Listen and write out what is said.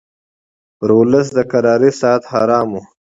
پر اولس د کرارۍ ساعت حرام وو